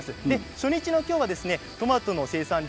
初日の今日はトマトの生産量